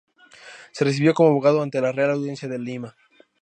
Se recibió como abogado ante la Real Audiencia de Lima.